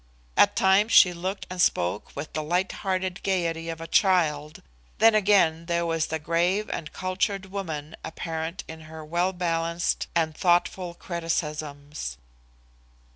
At times she looked and spoke with the light hearted gaiety of a child; then again there was the grave and cultured woman apparent in her well balanced and thoughtful criticisms.